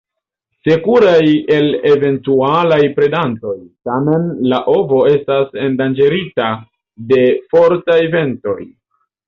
Sekuraj el eventualaj predantoj, tamen la ovo estas endanĝerita de fortaj ventoj.